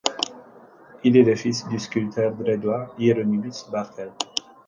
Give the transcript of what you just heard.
Il est le fils du sculpteur dresdois Hiéronimus Barthel.